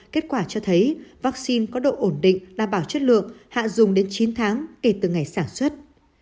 kết quả cho thấy vaccine có độ ổn định đảm bảo chất lượng hạ dùng đến chín tháng kể từ ngày sản xuất